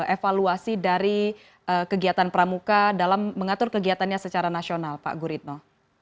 evaluasi dari kegiatan pramuka dalam mengatur kegiatannya secara nasional pak guritno